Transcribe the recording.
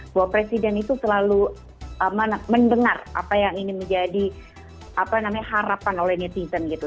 bahwa presiden itu selalu mendengar apa yang ingin menjadi harapan oleh netizen gitu